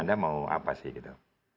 anda mau apa sih gitu